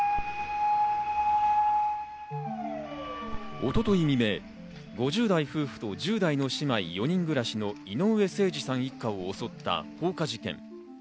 一昨日未明、５０代夫婦と１０代の姉妹４人暮らしの井上盛司さん一家を襲った放火事件。